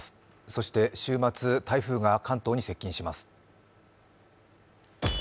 そして週末、台風が関東に接近します。